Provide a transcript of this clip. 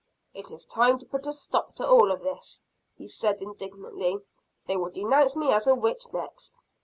"It is time to put a stop to all this," he said indignantly. "They will denounce me as a witch next."